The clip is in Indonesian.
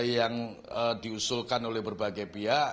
yang diusulkan oleh berbagai pihak